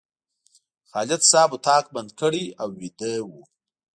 خالد صاحب اتاق بند کړی او ویده و.